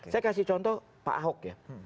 saya kasih contoh pak ahok ya